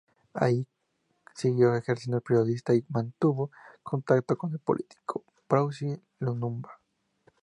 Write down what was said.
Allí siguió ejerciendo de periodista y mantuvo contacto con el político Patrice Lumumba.